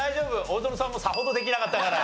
大園さんもさほどできなかったから。